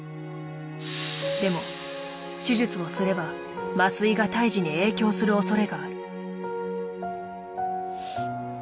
でも手術をすれば麻酔が胎児に影響するおそれがある。